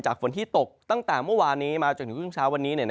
ฝนที่ตกตั้งแต่เมื่อวานนี้มาจนถึงช่วงเช้าวันนี้